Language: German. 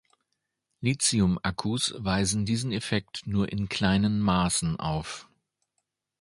Li-Akkus weisen diesen Effekt nur in kleinen Maßen auf.